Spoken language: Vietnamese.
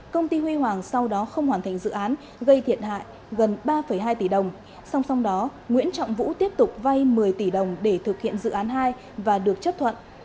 công ty huy hoàng sau đó không hoàn thành dự án gây thiệt hại gần ba hai tỷ đồng song song đó nguyễn trọng vũ tiếp tục vay một mươi tỷ đồng để thực hiện dự án hai và được chấp thuận